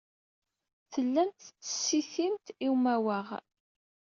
Tellamt tettsitimt i umawaɣ.